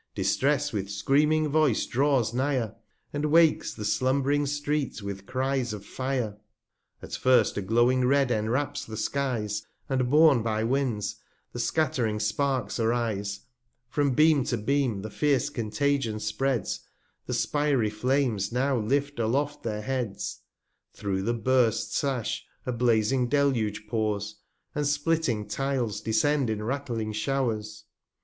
Distress with screaming Voice draws nigh'r, And wakes the slumb'ring Street with Cries of Fire. At first a glowing Red enwraps the Skies, 355 And born by Winds the scattering Sparks arise; From Beam to Beam, the fierce Contagion spreads; The spiry Flames now lift aloft their Heads, Through the burst Sash a blazing Deluge pours, And splitting Tiles descend in rattling Show'rs.